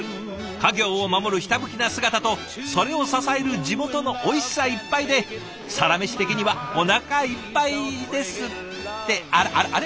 家業を守るひたむきな姿とそれを支える地元のおいしさいっぱいで「サラメシ」的にはおなかいっぱいですってあれ？